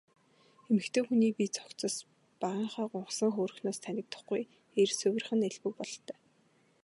Эмэгтэй хүний бие цогцос багынхаа гунхсан хөөрхнөөс танигдахгүй эрс хувирах нь элбэг бололтой.